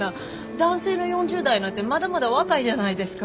男性の４０代なんてまだまだ若いじゃないですか。